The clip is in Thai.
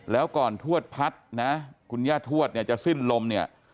แล้วก่อนทวดพัดนะคุณย่าทวดเนี่ยจะสิ้นลมเนี่ย